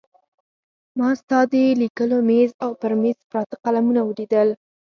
ما ستا د لیکلو مېز او پر مېز پراته قلمونه ولیدل.